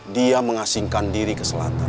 dia mengasingkan diri ke selatan